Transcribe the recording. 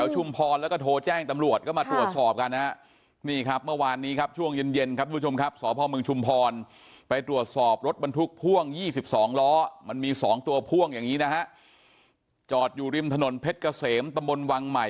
หัวพ่วงอย่างนี้นะฮะจอดอยู่ริมถนนเพชรเกษมตำบลวังใหม่